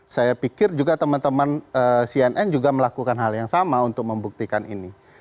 saya pikir juga teman teman cnn juga melakukan hal yang sama untuk membuktikan ini